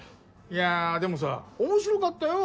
いやでもさ面白かったよ